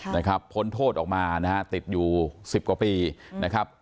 นะครับพ้นโทษออกมานะฮะติดอยู่สิบกว่าปีนะครับ